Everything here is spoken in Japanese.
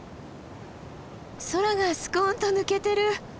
空がスコンと抜けてる。